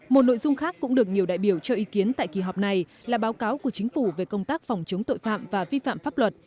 một nội dung khác cũng được nhiều đại biểu cho ý kiến tại kỳ họp này là báo cáo của chính phủ về công tác phòng chống tội phạm và vi phạm pháp luật